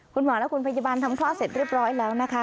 คุณหมอและคุณพยาบาลทำคลอดเสร็จเรียบร้อยแล้วนะคะ